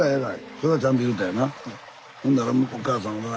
それはちゃんと言うたんやな。